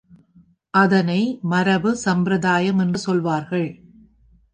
அதனை மரபு, சம்பிரதாயம் என்று சொல்வார்கள்.